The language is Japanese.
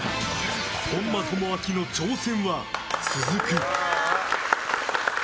本間朋晃の挑戦は続く。